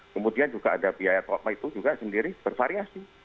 kemudian juga ada biaya top up itu sendiri bervariasi